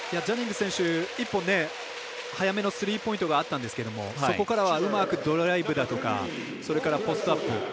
ジャニング選手、１本早めのスリーポイントがあったんですけどそこからはうまくドライブだとかそれからポストアップ